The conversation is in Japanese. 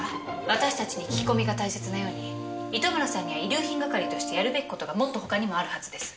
私たちに聞き込みが大切なように糸村さんには遺留品係としてやるべき事がもっと他にもあるはずです。